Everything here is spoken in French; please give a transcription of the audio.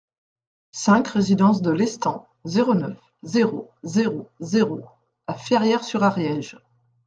cinq résidence de Lestang, zéro neuf, zéro zéro zéro à Ferrières-sur-Ariège